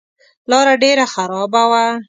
لاره ډېره خرابه وه.